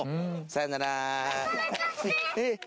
さよなら。